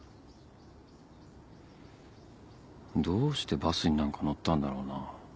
どうしてバスになんか乗ったんだろうな。